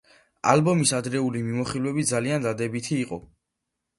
ალბომის ადრეული მიმოხილვები ძალიან დადებითი იყო.